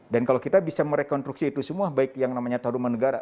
dan kalau kita bisa merekonstruksi itu semua baik yang namanya tahurman negara